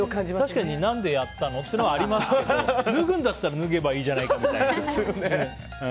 確かに何でやったのっていうのはありますけど脱ぐんだったら脱げばいいじゃないかみたいな。